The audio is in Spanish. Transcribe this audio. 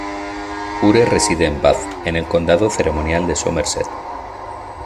Ure reside en Bath, en el condado ceremonial de Somerset.